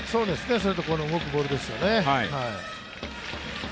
それと、この動くボールですよね。